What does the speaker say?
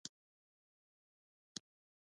کله چې افغانستان کې ولسواکي وي ماشومان خاندي.